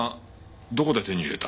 どこで手に入れた？